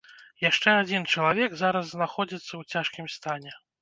Яшчэ адзін чалавек зараз знаходзіцца ў цяжкім стане.